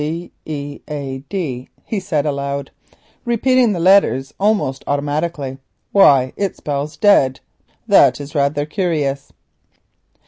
"D E A D," he said aloud, repeating the letters almost automatically. "Why it spells 'Dead.' That is rather curious."